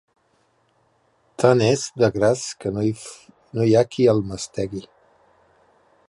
Tant és d'agràs que no hi ha qui el mastegui.